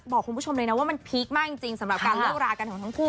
บอกคุณผู้ชมเลยนะว่ามันพีคมากจริงสำหรับการเลิกรากันของทั้งคู่